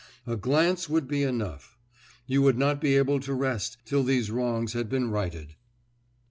A glance would be enough. You would not be able to rest till these wrongs had been righted.